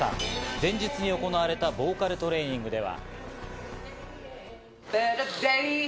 前日に行われたボーカルトレーニングでは。